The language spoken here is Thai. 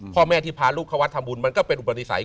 พ่อแม่ที่พาลูกเข้าวัดทำบุญมันก็เป็นอุปติศัย